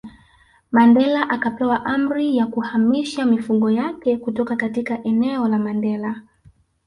Mandela akapewa amri ya kuhamisha mifugo yake kutoka katika eneo la Mandela